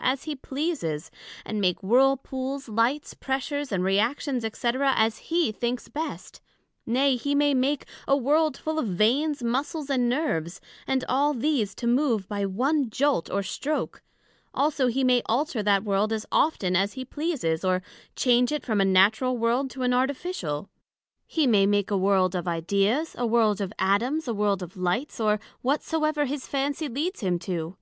as he pleases, and make Whirl pools, Lights, Pressures, and Reactions, &c. as he thinks best; nay, he may make a World full of Veins, Muscles, and Nerves, and all these to move by one jolt or stroke: also he may alter that World as often as he pleases, or change it from a Natural World, to an Artificial; he may make a World of Ideas, a World of Atoms, a World of Lights, or whatsoever his Fancy leads him to.